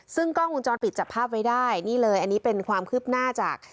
ซึ่งกล้องวงจรปิดจับภาพไว้ได้นี่เลยอันนี้เป็นความคืบหน้าจาก